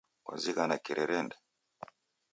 Kwazighana kirerende?